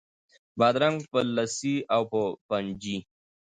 بادرنګ په لسي او په پنجي